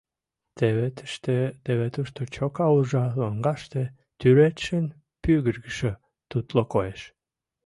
Теве тыште, теве тушто чока уржа лоҥгаште тӱредшын пӱгыргышӧ тутло коеш.